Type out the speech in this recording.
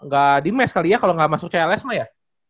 gak di mes kali ya kalau nggak masuk cls mah ya